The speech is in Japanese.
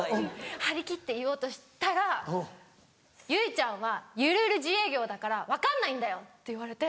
張り切って言おうとしたら「ユイちゃんはゆるゆる自営業だから分かんないんだよ！」って言われて。